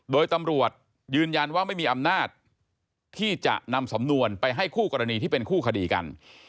โดยตำรวจยืนยันว่าไม่มีอำนาจที่จะนำสำนวนไปให้คู่กรณีที่เป็นคู่คดีกัน